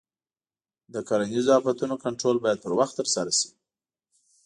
د کرنیزو آفتونو کنټرول باید پر وخت ترسره شي.